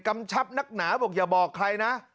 กำชับนักหนาบอกอย่าบอกใครนะ